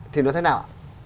thì nó thế nào